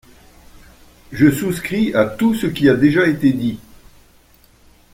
Je souscris à tout ce qui a déjà été dit.